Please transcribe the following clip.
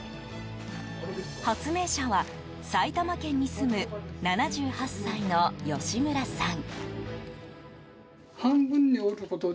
発明者は埼玉県に住む７８歳の吉村さん。